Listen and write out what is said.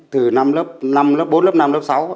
từ bốn lớp năm lớp sáu